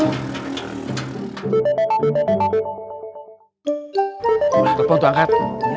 udah kepon tuh angkat